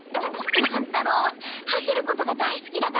乱太郎は走ることが大すきだから。